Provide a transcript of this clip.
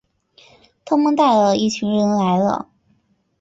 他们带了一群人来了